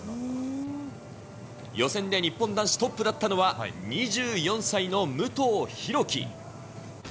予選で日本男子トップだったのは、２４歳の武藤弘樹。